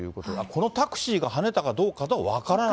このタクシーがはねたかどうかが分からない。